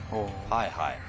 はいはい。